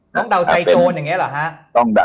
ต้องเดาใจโจรอย่างเงี้ยหรอฮะ